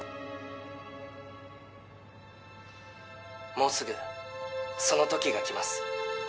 もうすぐその時が来ます